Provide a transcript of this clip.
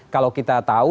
kalau kita tahu